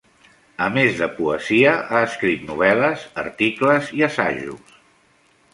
A més de poesia, ha escrit novel·les, articles i assajos.